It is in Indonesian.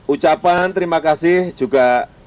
ucapan terima kasih juga